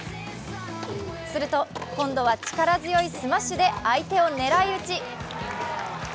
すると、今度は力強いスマッシュで相手を狙い打ち。